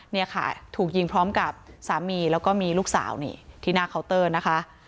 เนี่ยค่ะถูกยิงพร้อมกับสามีแล้วก็มีลูกสาวนี่ที่หน้าเคาน์เตอร์นะคะ